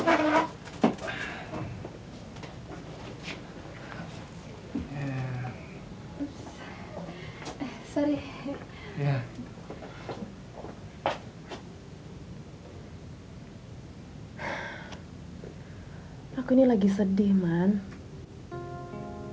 sambang sana ah ajak aja tu that's all right dan were still lemonade past ya nah akan menembakkan kalau kamu ngomong satu makes me motivate ke buat senjata buddha hearts